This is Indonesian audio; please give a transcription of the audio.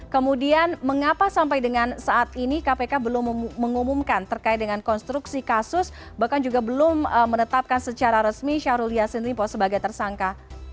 kemudian mengapa sampai dengan saat ini kpk belum mengumumkan terkait dengan konstruksi kasus bahkan juga belum menetapkan secara resmi syahrul yassin limpo sebagai tersangka